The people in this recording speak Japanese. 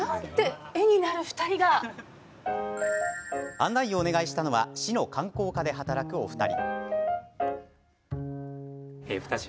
案内をお願いしたのは市の観光課で働くお二人。